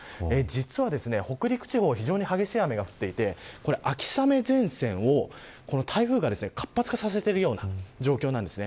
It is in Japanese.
実は北陸地方非常に激しい雨が降っていてこれ、秋雨前線を台風が活発化させているような状況なんです。